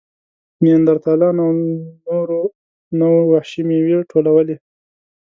نیاندرتالانو او نورو نوعو وحشي مېوې ټولولې.